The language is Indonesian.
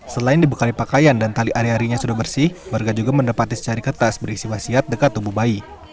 selain dibekali pakaian dan tali ari arinya sudah bersih warga juga mendapati secari kertas berisi wasiat dekat tubuh bayi